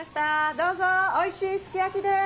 どうぞおいしいすき焼きです。